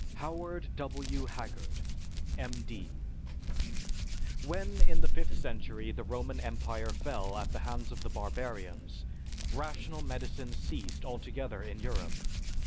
HOWARD W. HAGGARD, M. D. When in the fifth century the Roman Empire fell at the hands of the barbarians, rational medicine ceased altogether in Europe.